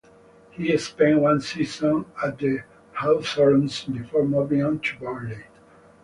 He spent one season at the Hawthorns before moving on to Burnley.